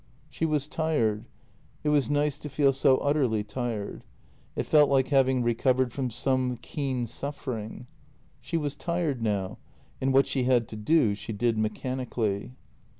She was tired — it was nice to feel so utterly tired. It felt like having recovered from some keen suffering. She was tired now, and what she had to do she did mechanically.